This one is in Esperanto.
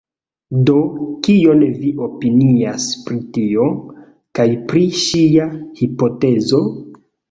Do, kion vi opinias pri tio? kaj pri ŝia hipotezo?